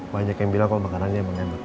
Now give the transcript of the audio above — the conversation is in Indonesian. banyak yang bilang kok makanannya emang enak